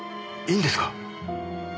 いいんですか？